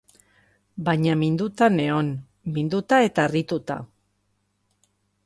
Baina minduta nengoen, minduta eta harrituta.